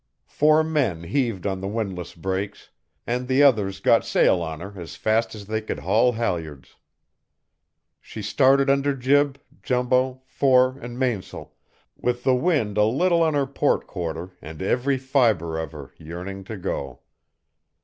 Four men heaved on the windlass brakes, and the others got sail on her as fast as they could haul halyards. She started under jib, jumbo, fore and mains'l, with the wind a little on her port quarter and every fiber of her yearning to go.